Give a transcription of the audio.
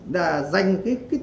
đã dành cái tử lệnh